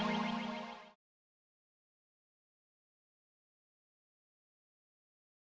saya bisa nyumuk nyumuk